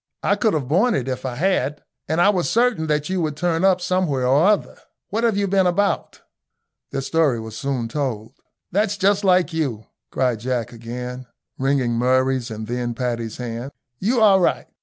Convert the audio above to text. I couldn't have borne it if I had, and I was certain that you would turn up somewhere or other. What have you been about?" Their story was soon told. "That's just like you," cried Jack, again, wringing Murray's and then Paddy's hand. "You are right.